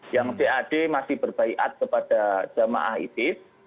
yang jad masih berbaikat kepada jamaah isis